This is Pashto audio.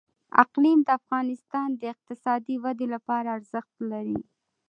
اقلیم د افغانستان د اقتصادي ودې لپاره ارزښت لري.